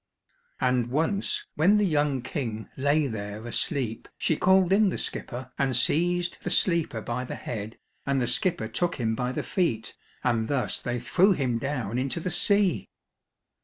And once when the young King lay there asleep, she called in the skipper and seized the sleeper by the head, and the skipper took him by the feet, and thus they threw him down into the sea.